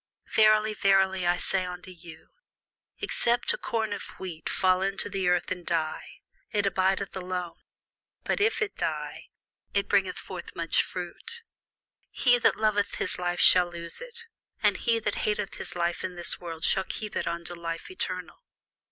Verily, verily, I say unto you, Except a corn of wheat fall into the ground and die, it abideth alone: but if it die, it bringeth forth much fruit. He that loveth his life shall lose it; and he that hateth his life in this world shall keep it unto life eternal.